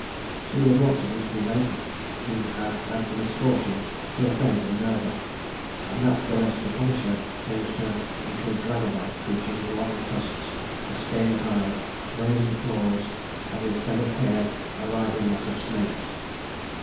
She was once a beautiful maiden, who had had the misfortune to offend Minerva, and that goddess, to punish her, changed her into a dragonlike creature with long tusks, a scaly hide, brazen claws, and instead of hair a writhing mass of snakes.